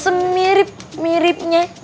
semirip miripnya dengan yang lainnya